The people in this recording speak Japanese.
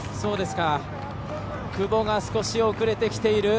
久保が少し遅れてきている。